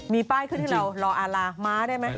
มีป้ายขึ้นที่เราลองละมารวยไหม